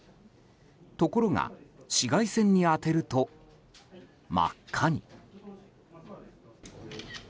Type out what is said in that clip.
ところが紫外線に当てると真っ赤に。